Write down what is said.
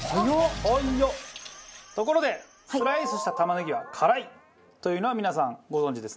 ところでスライスした玉ねぎは辛いというのは皆さんご存じですね。